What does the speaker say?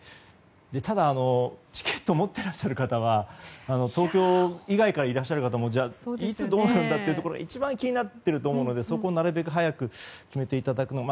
ただ、チケットを持っていらっしゃる方は東京からいらっしゃる方もいつ、どうなんだと一番気になっていると思うのでそこをなるべく早く決めていただくと。